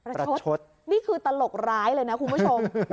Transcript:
นี่คือตลกร้ายเลยนะคุณผู้ชม